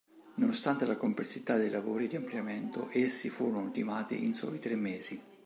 Nonostante la complessità dei lavori di ampliamento, essi furono ultimati in soli tre mesi.